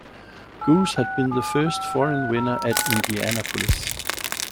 Gouz had been the first foreign winner at Indianapolis.